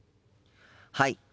はい。